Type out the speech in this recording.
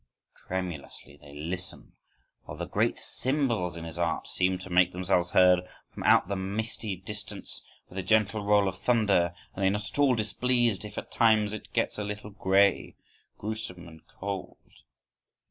Tremulously they listen while the great symbols in his art seem to make themselves heard from out the misty distance, with a gentle roll of thunder, and they are not at all displeased if at times it gets a little grey, gruesome and cold.